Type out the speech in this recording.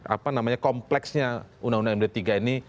bagaimana anda melihat kompleksnya undang undang md tiga ini